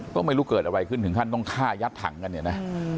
ก็ไม่รู้เกิดอะไรขึ้นถึงขั้นต้องฆ่ายัดถังกันเนี่ยนะ